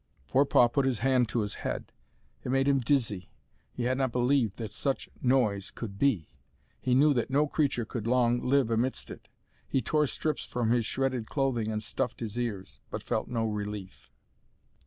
HOOM!" Forepaugh put his hand to his head. It made him dizzy. He had not believed that such noise could be. He knew that no creature could long live amidst it. He tore strips from his shredded clothing and stuffed his ears, but felt no relief.